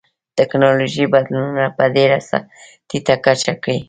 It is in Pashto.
ټکنالوژیکي بدلونونه په ډېره ټیټه کچه کې و